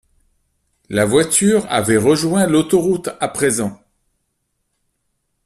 La voiture avait rejoint l’autoroute à présent.